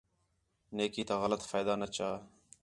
نیکی تا غلط فائدہ نہ چا